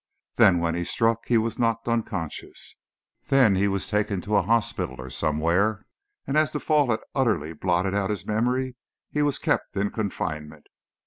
Then when he struck he was knocked unconscious. Then, he was taken to a hospital, or somewhere, and as the fall had utterly blotted out his memory, he was kept in confinement.